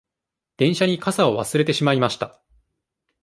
電車に傘を忘れてしまいました。